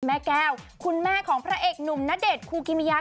แม่แก้วคุณแม่ของพระเอกหนุ่มณเดชนคูกิมิยา